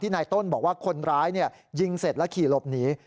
นายต้นบอกว่าคนร้ายยิงเสร็จแล้วขี่หลบหนี